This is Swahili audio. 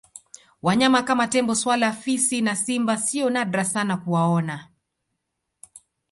Wanyama kama Tembo swala fisi na Simba sio nadra sana kuwaona